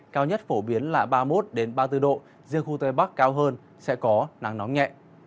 cao nhất phổ biến là ba mươi một ba mươi bốn độ riêng khu tây bắc cao hơn sẽ có nắng nóng nhẹ